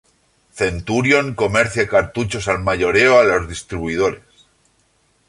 Centurion comercia cartuchos al mayoreo a los distribuidores.